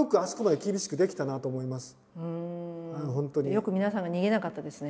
よく皆さんが逃げなかったですね。